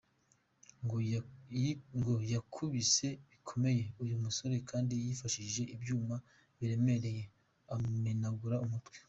Ngo yakubise bikomeye uyu musore kandi yifashishije ibyuma biremereye ,amumegura umutwe.